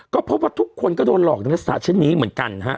ก็พบว่าทุกคนก็โดนหลอกในศาสตร์ชนิดนี้เหมือนกันฮะ